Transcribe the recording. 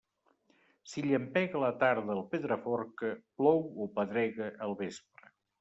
Si llampega a la tarda al Pedraforca, plou o pedrega al vespre.